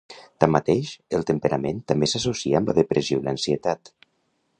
Tanmateix, el temperament també s’associa amb la depressió i l’ansietat.